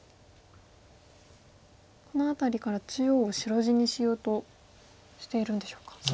この辺りから中央を白地にしようとしているんでしょうか。